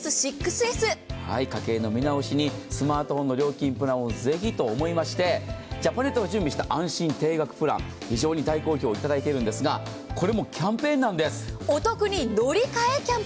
家計の見直しにスマートフォンの見直しプランをぜひということでジャパネットが準備した安心定額プラン、非常に大好評いただいているんですが、これもキャンペーンなんです